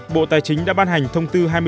bộ tài chính đã ban hành thông tư hai mươi ba